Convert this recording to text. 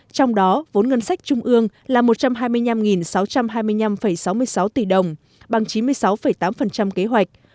trong đó vốn ngân sách trung ương là một trăm hai mươi năm sáu trăm hai mươi năm sáu mươi sáu tỷ đồng bằng chín mươi sáu tám kế hoạch